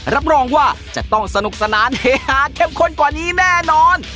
รับรองว่าจะต้องสนุกสนานเฮฮาเข้มข้นกว่านี้แน่นอน